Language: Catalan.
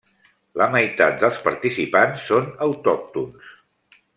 La meitat dels participants són autòctons.